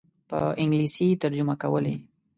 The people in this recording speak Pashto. په انګلیسي ترجمه کولې.